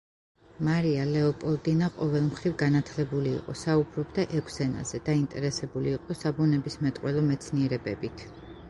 მარია ლეოპოლდინა ყოველმხრივ განათლებული იყო: საუბრობდა ექვს ენაზე, დაინტერესებული იყო საბუნებისმეტყველო მეცნიერებებით.